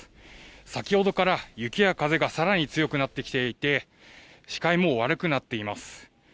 先ほどから雪や風がさらに強くなってきていて、視界も悪くなっています。